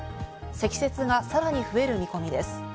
積雪がさらに増える見込みです。